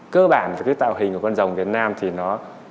cơ bản là cái tạo hình của con rồng việt nam thì nó